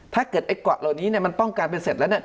ถ้าเกิดไอ้เกาะเหล่านี้มันป้องกันไปเสร็จแล้ว